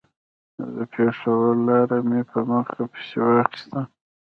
د پېښور لاره مې په مخه پسې واخيسته.